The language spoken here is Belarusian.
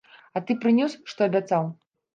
А ты прынёс, што абяцаў?